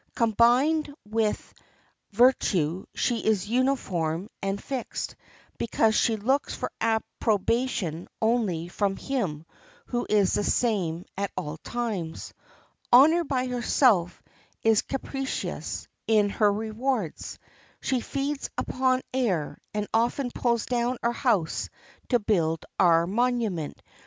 Combined with virtue she is uniform and fixed, because she looks for approbation only from Him who is the same at all times. Honor by herself is capricious in her rewards. She feeds us upon air, and often pulls down our house to build our monument.